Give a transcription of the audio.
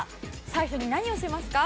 最初に何をしますか？